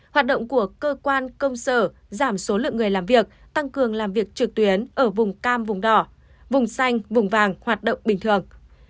hoạt động của cơ quan công sở giảm số lượng người làm việc tăng cường làm việc trực tuyến ở vùng cam vùng đỏ vùng xanh vùng vàng hoạt động bình thường